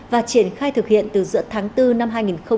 và triển khai thực hiện từ giữa tháng bốn năm hai nghìn hai mươi